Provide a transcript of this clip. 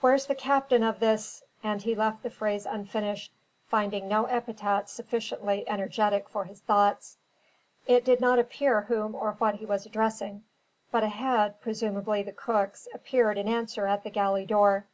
"Where's the captain of this ?" and he left the phrase unfinished, finding no epithet sufficiently energetic for his thoughts. It did not appear whom or what he was addressing; but a head, presumably the cook's, appeared in answer at the galley door.